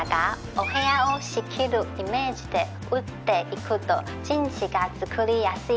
お部屋を仕切るイメージで打っていくと陣地が作りやすいですよ。